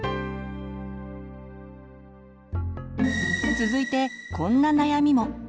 続いてこんな悩みも。